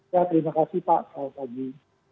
ya terima kasih pak pak fadli